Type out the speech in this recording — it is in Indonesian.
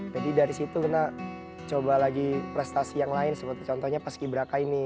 jadi dari situ genta coba lagi prestasi yang lain seperti contohnya peski braka ini